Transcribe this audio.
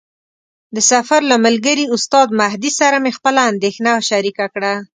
د سفر له ملګري استاد مهدي سره مې خپله اندېښنه شریکه کړه.